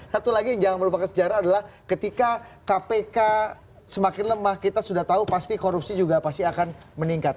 satu lagi yang jangan melupakan sejarah adalah ketika kpk semakin lemah kita sudah tahu pasti korupsi juga pasti akan meningkat